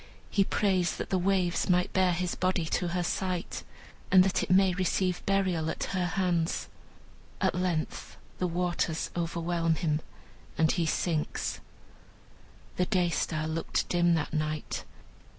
He prays that the waves may bear his body to her sight, and that it may receive burial at her hands. At length the waters overwhelm him, and he sinks. The Day star looked dim that night.